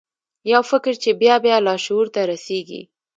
یو فکر چې بیا بیا لاشعور ته رسیږي